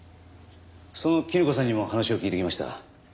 その絹子さんにも話を聞いてきました。